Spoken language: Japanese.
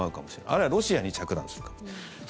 あるいはロシアに着弾するかも。